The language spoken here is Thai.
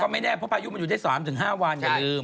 ไม่แน่วเพราะกลายอยู่ได้๓๕วัน